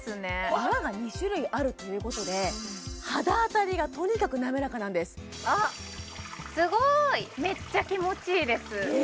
泡が２種類あるということで肌当たりがとにかく滑らかなんですあっすごい！